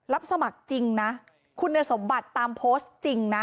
รับสมัครจริงนะคุณสมบัติตามโพสต์จริงนะ